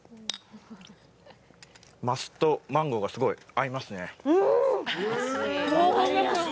マスとマンゴーが、すごい合いますね。